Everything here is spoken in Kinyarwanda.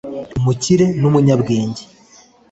umukire ni umunyabwenge